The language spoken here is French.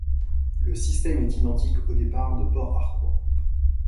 Le système est identique au départ de Port Harcourt.